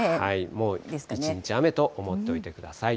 もう一日雨と思っておいてください。